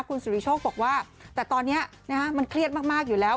คุณสุริโชคบอกว่าแต่ตอนนี้มันเครียดมากอยู่แล้ว